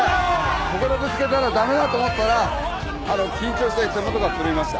ここでぶつけたら駄目だと思ったらあの緊張して手元が狂いました。